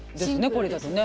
これだとね。